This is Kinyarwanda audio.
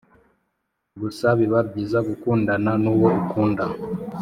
gusa biba byiza gukundana nuwo ukunda"